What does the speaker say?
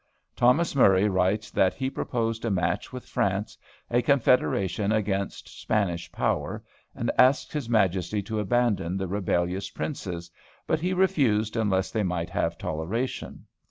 Thomas Murray writes that he "proposed a match with France, a confederation against Spanish power, and asked his Majesty to abandon the rebellious princes, but he refused unless they might have toleration."